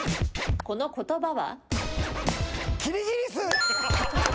この言葉は？